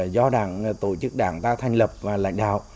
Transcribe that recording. do tổ chức đảng ta thành lập và lãnh đạo